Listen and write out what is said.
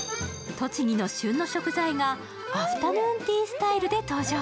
栃木の旬の食材がアフタヌーンティー・スタイルで登場。